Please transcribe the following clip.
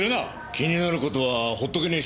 気になる事はほっとけねえ